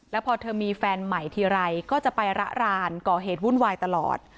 แล้วพอเธอมีแฟนใหม่ทีไรก็จะไประรานก่อเหตุวุ่นวายตลอด